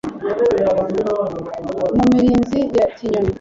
Mu mirinzi ya Kinyoni